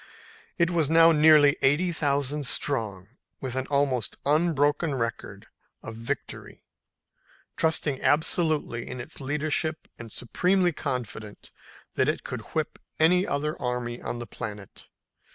It was now nearly eighty thousand strong, with an almost unbroken record of victory, trusting absolutely in its leadership and supremely confident that it could whip any other army on the planet.